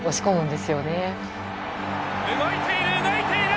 動いている、動いている。